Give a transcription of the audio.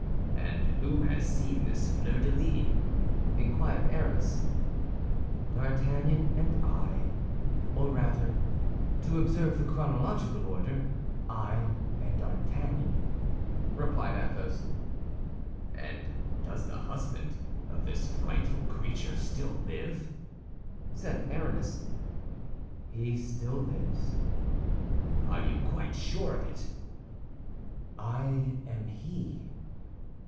"And who has seen this fleur de lis?" inquired Aramis. "D'Artagnan and I. Or rather, to observe the chronological order, I and D'Artagnan," replied Athos. "And does the husband of this frightful creature still live?" said Aramis. "He still lives." "Are you quite sure of it?" "I am he."